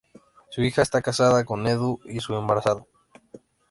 Su hija está casada con Edu y su embarazada.